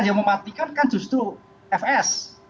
yang mematikan kan justru fs